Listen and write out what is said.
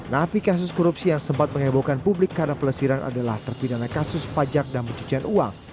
napi kasus korupsi yang sempat mengebohkan publik karena pelesiran adalah terpidana kasus pajak dan pencucian uang